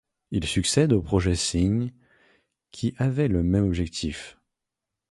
Il succède au projet Sign, qui avait le même objectif.